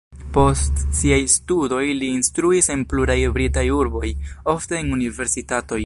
Post siaj studoj li instruis en pluraj britaj urboj, ofte en universitatoj.